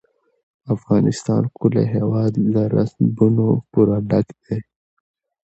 د افغانستان ښکلی هېواد له رسوبونو پوره ډک دی.